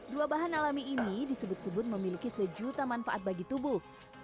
dua bahan alami ini disebut sebut memiliki sejuta manfaat bagi tubuh